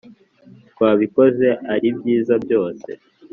twabikoze ari byiza byose